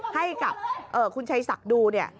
ให้กับคุณชัยศักดิ์ดูเนี่ย